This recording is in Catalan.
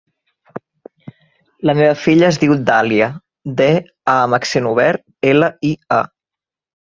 La meva filla es diu Dàlia: de, a amb accent obert, ela, i, a.